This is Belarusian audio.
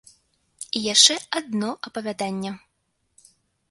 І яшчэ адно апавяданне!